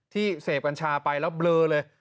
ที่เสพกัญชาไปแล้วเบลอเลย